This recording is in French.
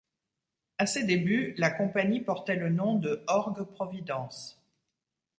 À ses débuts, la Compagnie portait le nom de Orgue Providence.